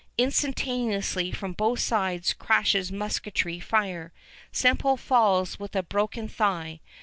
Instantaneously from both sides crashes musketry fire. Semple falls with a broken thigh.